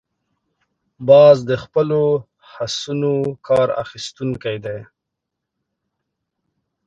باز د خپلو حسونو کار اخیستونکی دی